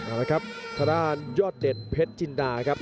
ขอบคุณครับทดลาดยอดเด็ดเพชรจินดาครับ